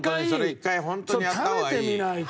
一回食べてみないと。